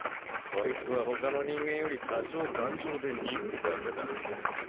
こいつはほかの人間より多少頑丈で鈍いだけだ。